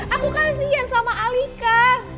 aku kasihan sama alika